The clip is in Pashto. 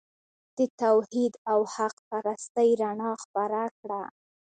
د توحید او حق پرستۍ رڼا خپره کړه.